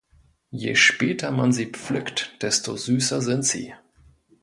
Je später man sie pflückt, desto süßer sind sie.